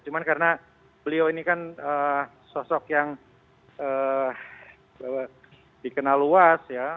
cuma karena beliau ini kan sosok yang dikenal luas ya